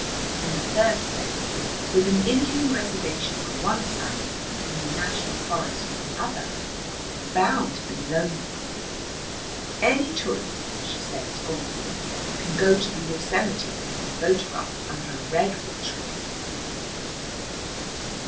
In the third place, with an Indian reservation on one side and a national forest on the other, it's bound to be lonely. Any tourist," she said scornfully, "can go to the Yosemite and be photographed under a redwood tree."